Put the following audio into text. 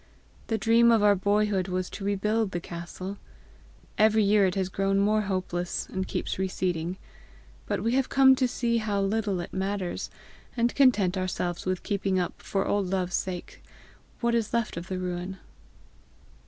The dream of our boyhood was to rebuild the castle. Every year it has grown more hopeless, and keeps receding. But we have come to see how little it matters, and content ourselves with keeping up, for old love's sake, what is left of the ruin."